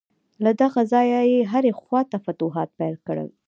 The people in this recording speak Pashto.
له دغه ځایه یې هرې خواته فتوحات پیل کړل.